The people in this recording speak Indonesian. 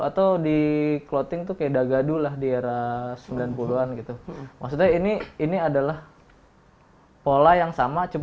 ada twitter ada instagram